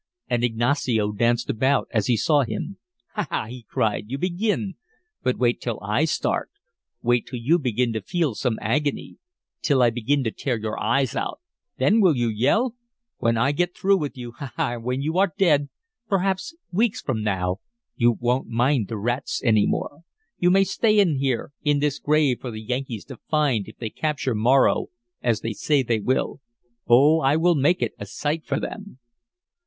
And Ignacio danced about as he saw him. "Ha, ha!" he cried. "You begin! But wait till I start wait till you begin to feel some agony till I begin to tear your eyes out! Then will you yell? When I get through with you ha, ha! when you are dead, perhaps weeks from now, you won't mind the rats any more! You may stay in here in this grave for the Yankees to find if they capture Morro as they say they will. Oh, I will make it a sight for them!"